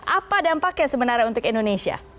apa dampaknya sebenarnya